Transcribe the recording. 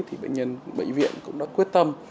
thì bệnh nhân bệnh viện cũng đã quyết tâm